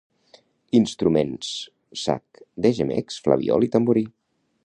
Instruments: sac de gemecs, flabiol i tamborí.